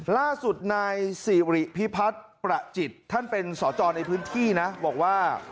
ล่าสุดนายสิริพิพัฒน์ประจิตท่านเป็นสจในพื้นที่นะบอกว่า